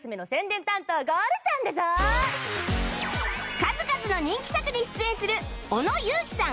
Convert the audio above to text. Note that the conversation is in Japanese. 数々の人気作に出演する小野友樹さん